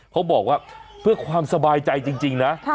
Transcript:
เขาบอกว่าเพื่อความสบายใจจริงนะ